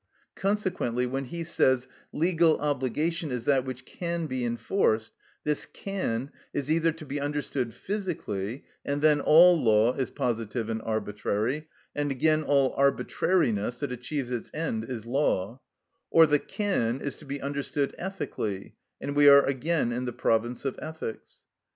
Consequently, when he says, "Legal obligation is that which can be enforced," this can is either to be understood physically, and then all law is positive and arbitrary, and again all arbitrariness that achieves its end is law; or the can is to be understood ethically, and we are again in the province of ethics.